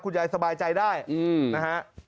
ยายสบายใจได้นะฮะ